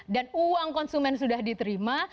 dan uang konsumen sudah diterima